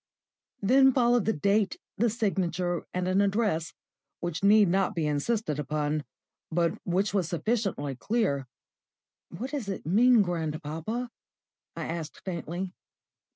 Then followed the date, the signature, and an address, which need not be insisted upon, but which was sufficiently clear. "What does it mean, grandpapa?" I asked faintly.